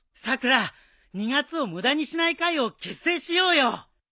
さくら２月を無駄にしない会を結成しようよ！